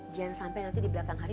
jangan sampai nanti di belakang hari